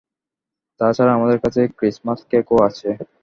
তাছাড়া আমাদের কাছে ক্রিসমাস কেক-ও আছে!